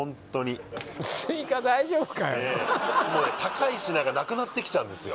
もうね高い品がなくなってきちゃうんですよ